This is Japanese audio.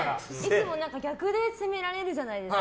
いつも逆で攻められるじゃないですか。